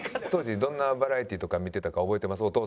当時どんなバラエティーとか見てたか覚えてます？